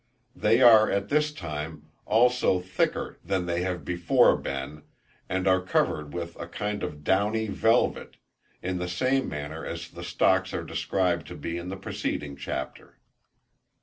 They are, at this time, also thicker than they have before been, and are covered with a kind of downy velvet, in the same manner as the stalks are described to be, in the preceding chapter.